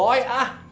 iya ya ntar dah